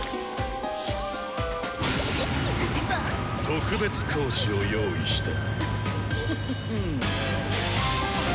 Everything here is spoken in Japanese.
特別講師を用意した。